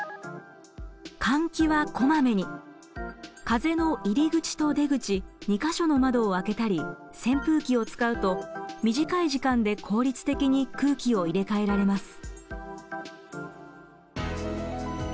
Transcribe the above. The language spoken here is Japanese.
風の入り口と出口２か所の窓を開けたり扇風機を使うと短い時間で効率的に空気を入れ替えられます。